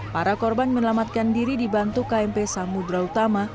para korban menyelamatkan diri dibantu kmp samudera utama